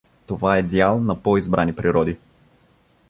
Това е дял на по-избрани природи.